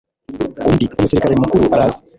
undi, umusirikare mukuru araza